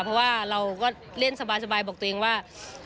เพราะว่าเราก็เล่นสบายบอกตัวเองว่า